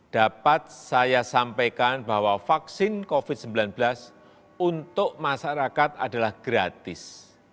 dapat saya sampaikan bahwa vaksin covid sembilan belas untuk masyarakat adalah gratis